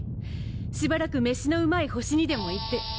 しばらく飯のうまい星にでも行って。